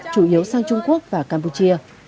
chủ yếu sang trung quốc và campuchia